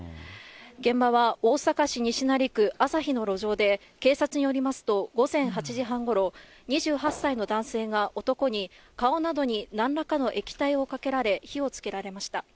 現場は、大阪市西成区旭の路上で、警察によりますと、午前８時半ごろ、２８歳の男性が男に顔などになんらかの液体をかけられ、火をつけられました。